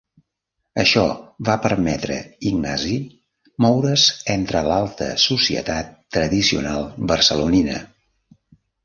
Això va permetre Ignasi moure's entre l'alta societat tradicional barcelonina.